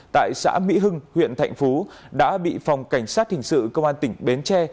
tại xã mỹ hưng huyện thạnh phú đã bị phòng cảnh sát hình sự công an tỉnh bến tre